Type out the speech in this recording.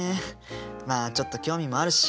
まあちょっと興味もあるし